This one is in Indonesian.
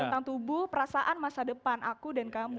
tentang tubuh perasaan masa depan aku dan kamu